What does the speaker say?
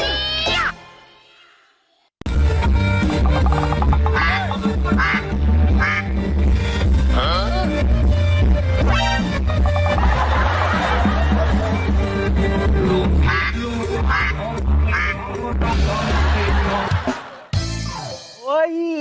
สกิดยิ้ม